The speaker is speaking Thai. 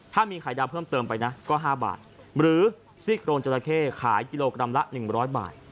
ถ้ามีไข่ดาวเพิ่มเติมไปนะก็ห้าบาทหรือซีกโรนจราเข้ขายกิโลกรัมละหนึ่งร้อยบาท